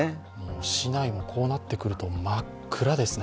市内もこうなってくると真っ暗ですね。